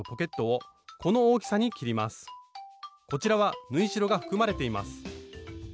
こちらは縫い代が含まれています。